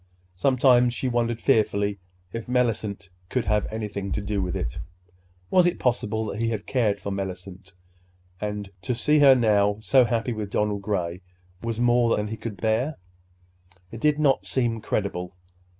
Sometimes she wondered fearfully if Mellicent could have anything to do with it. Was it possible that he had cared for Mellicent, and to see her now so happy with Donald Gray was more than he could bear? It did not seem credible.